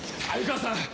鮎川さん